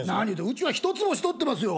うちは一つ星とってますよ。